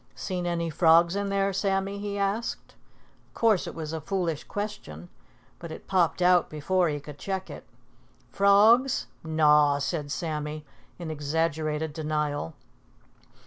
"Seen any frogs in there, Sammy?" he asked. Of course it was a foolish question, but it popped out before he could check it. "Frogs? Naw!" said Sammy in exaggerated denial.